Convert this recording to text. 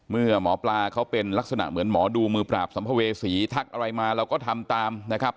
เมื่อหมอปลาเขาเป็นลักษณะเหมือนหมอดูมือปราบสัมภเวษีทักอะไรมาเราก็ทำตามนะครับ